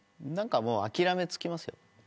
何かもう、諦めつきますよ。